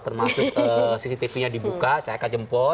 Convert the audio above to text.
termasuk cctv nya dibuka saya akan jempol